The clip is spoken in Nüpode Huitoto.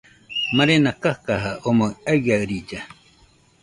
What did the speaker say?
Marena kakaja omoɨ aiaɨrilla.